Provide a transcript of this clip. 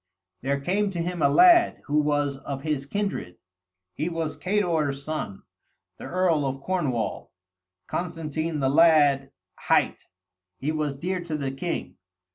There came to him a lad, who was of his kindred; he was Cador's son, the earl of Cornwall; Constantine the lad hight, he was dear to the king.